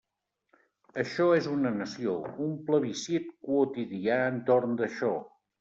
Això és una nació, un plebiscit quotidià entorn d'això.